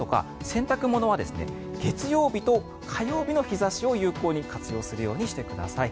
洗濯物は月曜日と火曜日の日差しを有効に活用するようにしてください。